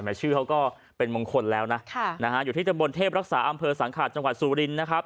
ชื่อเขาก็เป็นมงคลแล้วนะอยู่ที่ตะบนเทพรักษาอำเภอสังขาดจังหวัดสุรินนะครับ